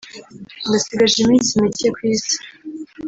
ngo asigaje iminsi mike ku Isi